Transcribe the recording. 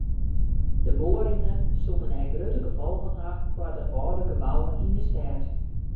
De boarringen soene ek grutte gefolgen ha foar de âlde gebouwen yn de stêd.